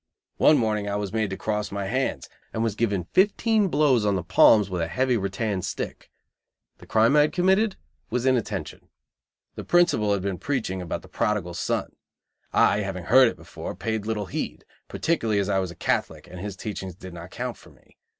One morning I was made to cross my hands, and was given fifteen blows on the palms with a heavy rattan stick. The crime I had committed was inattention. The principal had been preaching about the Prodigal Son. I, having heard it before, paid little heed; particularly as I was a Catholic, and his teachings did not count for me.